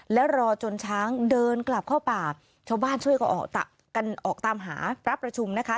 แล้วรอจนช้างเดินกลับเข้าป่าชาวบ้านช่วยกันออกกันออกตามหาพระประชุมนะคะ